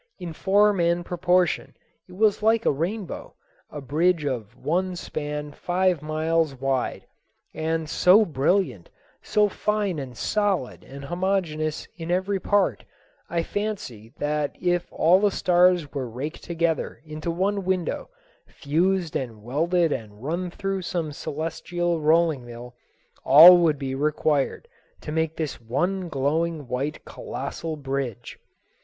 In form and proportion it was like a rainbow, a bridge of one span five miles wide; and so brilliant, so fine and solid and homogeneous in every part, I fancy that if all the stars were raked together into one windrow, fused and welded and run through some celestial rolling mill, all would be required to make this one glowing white colossal bridge.